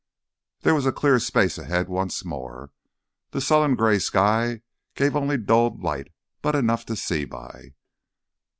There was a clear space ahead once more. The sullen gray sky gave only dulled light, but enough to see by.